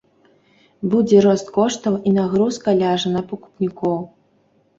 Будзе рост коштаў і нагрузка ляжа на пакупнікоў.